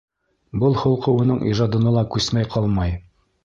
Был холҡо уның ижадына ла күсмәй ҡалмай.